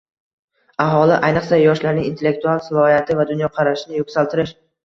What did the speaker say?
Aholi, ayniqsa, yoshlarning intellektual salohiyati va dunyoqarashini yuksaltirish